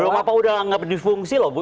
belum apa apa udah gak berdifungsi loh bu